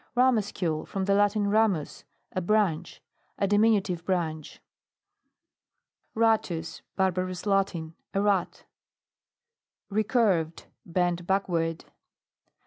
RAMUSCULE. From the Latin, ramus* a branch. A diminutive branch. RATTL" . Barbaioua Latin. A rat. RECURVED. Bent backward.